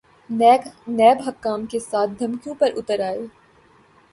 NAB حکام کے ساتھ دھمکیوں پہ اتر آئے ہیں۔